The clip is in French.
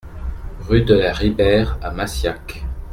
Rue de la Ribeyre à Massiac